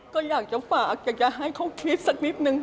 ก็อยากจะฝากอยากจะให้เขาคิดสักนิดนึง